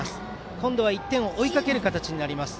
今度は１点を追いかける形になります